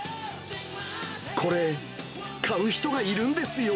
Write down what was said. これ、買う人がいるんですよ。